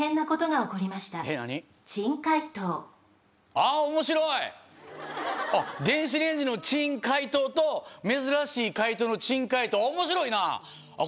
あっ面白いあっ電子レンジのチン・解凍と珍しい解答の珍解答面白いなあっ